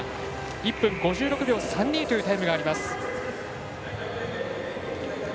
１分５６秒３２というタイムがあります。